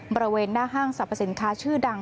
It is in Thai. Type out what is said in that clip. บริเวณหน้าห้างสรรพสินค้าชื่อดัง